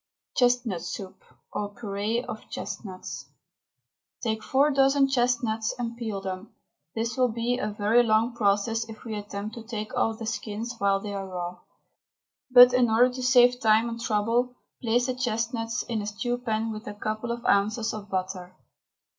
CHESTNUT SOUP, OR PUREE OF CHESTNUTS. Take four dozen chestnuts and peel them. This will be a very long process if we attempt to take off the skins while they are raw; but in order to save time and trouble, place the chestnuts in a stew pan with a couple of ounces of butter.